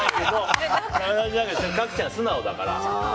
角ちゃん、素直だから。